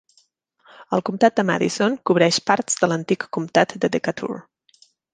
El comtat de Madison cobreix parts de l'antic comtat de Decatur.